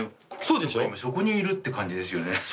だから今そこにいるって感じですよね。